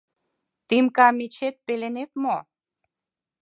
— Тимка, мечет пеленет мо?